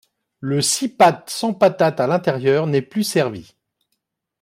Le cipâte sans patates à l'intérieur n'est plus servi.